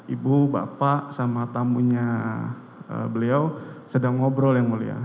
ibu bapak sama tamunya beliau sedang ngobrol yang mulia